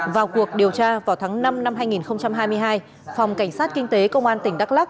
vào cuộc điều tra vào tháng năm năm hai nghìn hai mươi hai phòng cảnh sát kinh tế công an tỉnh đắk lắc